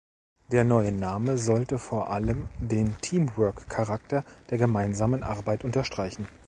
Der neue Name sollte vor allem den Teamwork-Charakter der gemeinsamen Arbeit unterstreichen.